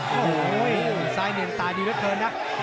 โอ้โหซ้ายเนียนตายดีเหลือเกินนะ